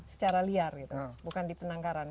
secara liar gitu bukan di penangkaran